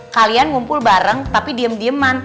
kalian ngumpul bareng tapi diem dieman